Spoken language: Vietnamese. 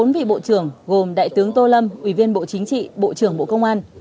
bốn vị bộ trưởng gồm đại tướng tô lâm ủy viên bộ chính trị bộ trưởng bộ công an